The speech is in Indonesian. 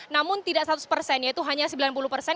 namun tidak seratus persen yaitu hanya sembilan puluh persen